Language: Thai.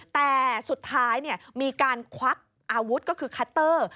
แต่สุดท้ายมีการควักอาวุธก็คือคัตเตอร์